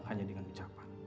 hanya dengan ucapan